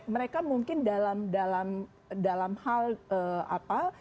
mereka mungkin dalam hal apa